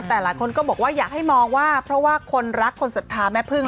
แต่หลายคนก็บอกว่าอยากให้มองว่าเพราะว่าคนรักคนศรัทธาแม่พึ่ง